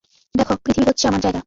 দেখ, পৃথিবী হচ্ছে আমার জায়গা।